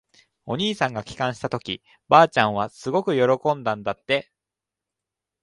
お兄さんが帰還したとき、ばあちゃんはすごく喜んだんだって。